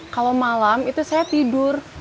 kalau malam itu saya tidur